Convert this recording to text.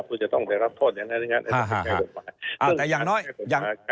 คุณจะต้องไปรับโทษอย่างนั้น